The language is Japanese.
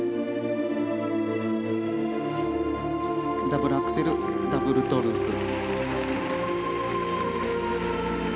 ダブルアクセルダブルトウループ。